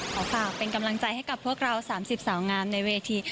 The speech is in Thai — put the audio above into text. ขอฝากเป็นกำลังใจให้กับพวกเรา๓๐สาวงามในเวที